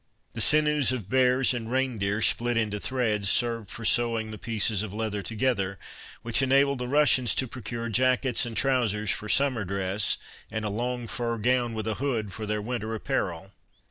The sinews of bears and rein deer, split into threads, served for sewing the pieces of leather together, which enabled the Russians to procure jackets and trowsers for summer dress, and a long fur gown with a hood for their winter apparel.